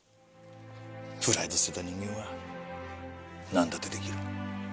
プライド捨てた人間は何だってできる。